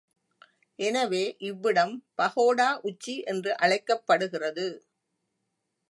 எனவே இவ்விடம் பகோடா உச்சி என்று அழைக்கப்படுகிறது.